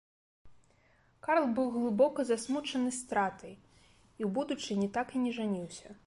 Карл быў глыбока засмучаны стратай, і ў будучыні так і не жаніўся.